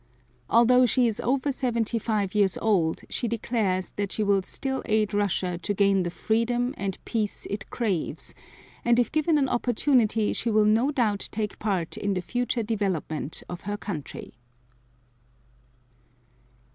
Although she is over seventy five years old she declares that she will still aid Russia to gain the freedom and peace it craves and if given an opportunity she will no doubt take part in the future development of her country.